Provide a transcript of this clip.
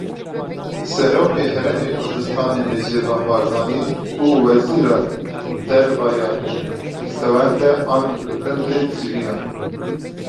Serokê Herêma Kurdistanê Nêçîrvan Barzanî û Wezîra Derve ya Swêdê Ann Linde civiyan.